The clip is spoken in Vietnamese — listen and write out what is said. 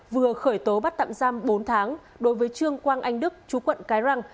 vừa khởi tố bắt tạm giam bốn tháng đối với trương quang anh đức chú quận cái răng